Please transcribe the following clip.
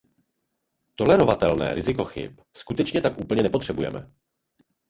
Tolerovatelné riziko chyb skutečně tak úplně nepotřebujeme.